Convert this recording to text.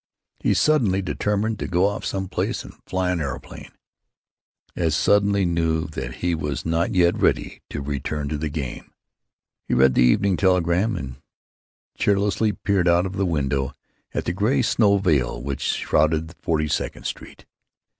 He suddenly determined to go off some place and fly an aeroplane; as suddenly knew that he was not yet ready to return to the game. He read the Evening Telegram and cheerlessly peered out of the window at the gray snow veil which shrouded Forty second Street.